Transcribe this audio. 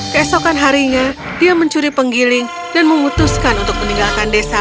keesokan harinya dia mencuri penggiling dan memutuskan untuk meninggalkan desa